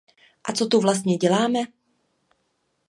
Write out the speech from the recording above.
Ale co tu vlastně děláme?